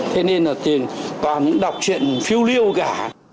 thế nên là toàn đọc chuyện phiêu liêu cả